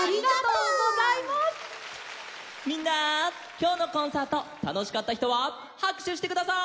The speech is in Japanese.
きょうのコンサートたのしかったひとははくしゅしてください！